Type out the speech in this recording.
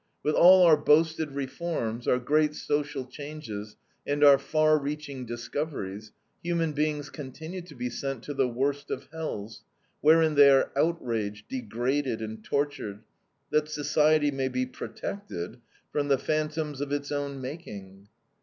With all our boasted reforms, our great social changes, and our far reaching discoveries, human beings continue to be sent to the worst of hells, wherein they are outraged, degraded, and tortured, that society may be "protected" from the phantoms of its own making.